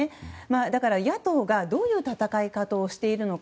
だから、野党がどういう戦い方をしているのか